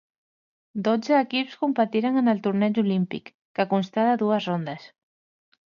Dotze equips competiren en el torneig Olímpic, que constà de dues rondes.